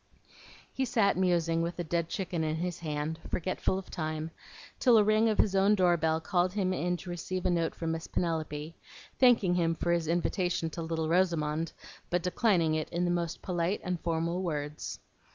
He sat musing with the dead chicken in his hand, forgetful of time, till a ring of his own door bell called him in to receive a note from Miss Penelope, thanking him for his invitation to little Rosamond, but declining it in the most polite and formal words.